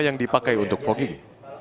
yang dipakai untuk fogging